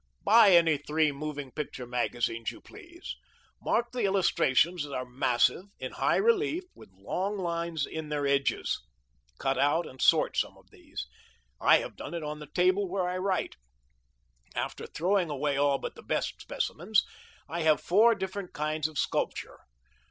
Buy any three moving picture magazines you please. Mark the illustrations that are massive, in high relief, with long lines in their edges. Cut out and sort some of these. I have done it on the table where I write. After throwing away all but the best specimens, I have four different kinds of sculpture.